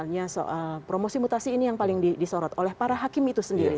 misalnya soal promosi mutasi ini yang paling disorot oleh para hakim itu sendiri